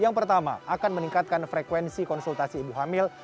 yang pertama akan meningkatkan frekuensi konsultasi ibu hamil